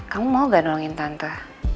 kamu mau gak nolongin tante